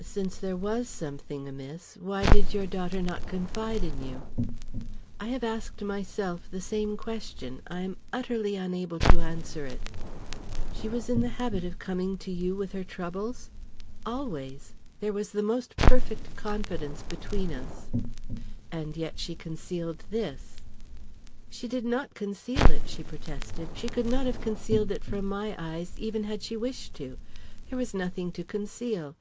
"Since there was something amiss, why did your daughter not confide in you?" "I have asked myself the same question. I am utterly unable to answer it." "She was in the habit of coming to you with her troubles?" "Always. There was the most perfect confidence between us." "And yet she concealed this?" "She did not conceal it!" she protested. "She could not have concealed it from my eyes, even had she wished to. There was nothing to conceal.